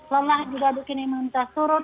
lelah juga bikin imunitas turun